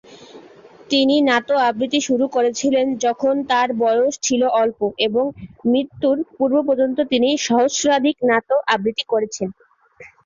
তিনি নাত আবৃত্তি শুরু করেছিলেন যখন তাঁর বয়স ছিল অল্প এবং মৃত্যুর পূর্ব পর্যন্ত তিনি সহস্রাধিক নাত আবৃত্তি করেছেন।